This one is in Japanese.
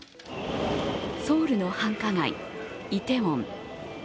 ソウルの繁華街、イテウォン。